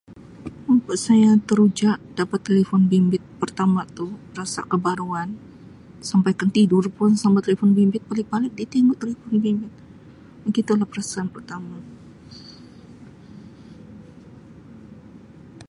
[unintelligible] Saya teruja dapat telefon bimbit pertama tu rasa kebaruan sampai ke tidur pun sama telefon bimbit, balik-balik ditingu telefon bimbit. Begitulah perasan pertama.